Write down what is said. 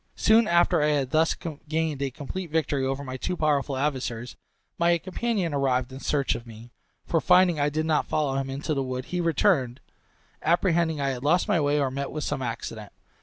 Soon after I had thus gained a complete victory over my two powerful adversaries, my companion arrived in search of me; for finding I did not follow him into the wood, he returned, apprehending I had lost my way or met with some accident.